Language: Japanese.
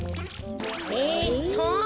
えっと。